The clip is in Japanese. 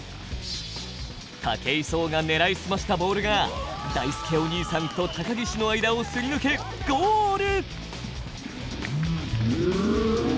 武井壮が狙いすましたボールがだいすけお兄さんと高岸の間をすり抜け、ゴール！